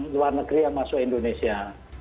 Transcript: luar negeri yang masuk indonesia